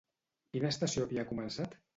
Quina estació havia començat?